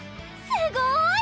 すごい！